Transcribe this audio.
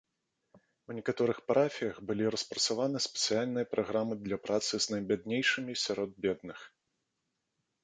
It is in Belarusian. У некаторых парафіях былі распрацаваны спецыяльныя праграмы для працы з найбяднейшымі сярод бедных.